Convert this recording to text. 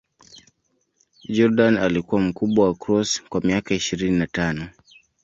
Jordan alikuwa mkubwa wa Cross kwa miaka ishirini na tano.